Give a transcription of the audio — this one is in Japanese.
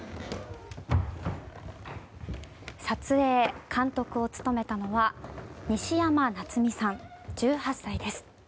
撮影、監督を務めたのは西山夏実さん、１８歳です。